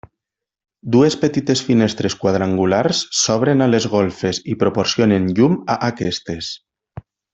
Dues petites finestres quadrangulars s'obren a les golfes i proporcionen llum a aquestes.